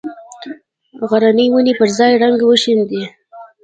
غرنې ونې پر ځان رنګ وشیندي